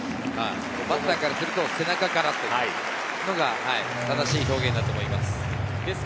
バッターからすると背中からというのが正しい表現だと思います。